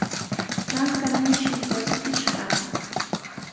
Mankami shikwaskishqa.